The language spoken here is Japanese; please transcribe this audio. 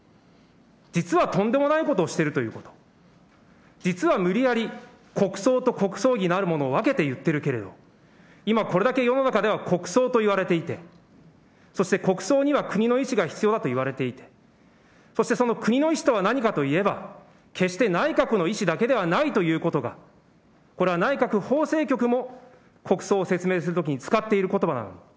実はとんでもないことをしているということ、実は無理やり国葬と国葬儀なるものを分けて言っているけれど、今、これだけ世の中では国葬といわれていて、そして国葬には国の意思が必要だといわれていて、そしてその国の意思とは何かといえば、決して内閣の意思だけではないということが、これは内閣法制局も国葬を説明するときに使っていることばなんです。